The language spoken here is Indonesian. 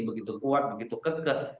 begitu kuat begitu kekeh